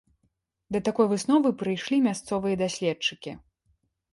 Да такой высновы прыйшлі мясцовыя даследчыкі.